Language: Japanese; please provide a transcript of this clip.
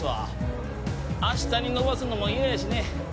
明日に延ばすのも嫌やしね。